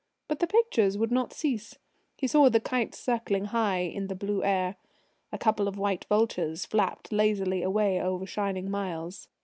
But the pictures would not cease. He saw the kites circling high in the blue air. A couple of white vultures flapped lazily away over shining miles.